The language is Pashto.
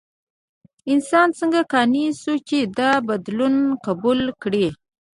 انسان څنګه قانع شو چې دا بدلون قبول کړي؟